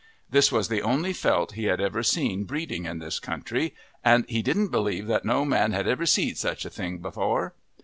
This was the only felt he had ever seen breeding in this country, and he "didn't believe that no man had ever seed such a thing before."